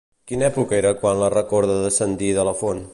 Quina època era quan la recorda descendir de la font?